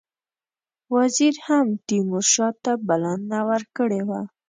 وزیر هم تیمورشاه ته بلنه ورکړې وه.